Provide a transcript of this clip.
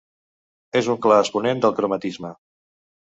És un clar exponent del cromatisme.